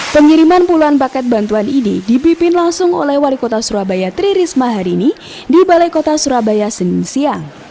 pengiriman puluhan paket bantuan ini dibipin langsung oleh wali kota surabaya tririsma harini di balai kota surabaya senin siang